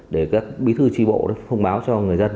để các bí thư tri bộ thông báo cho người dân